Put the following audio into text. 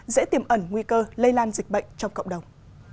dễ tiềm ẩn nguy cơ lây lan dịch bệnh trong cộng đồng